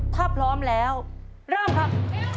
ถ้าพร้อมแล้วเริ่มครับ